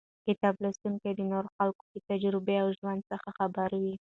کتاب لوستونکی د نورو خلکو له تجربو او ژوند څخه خبروي.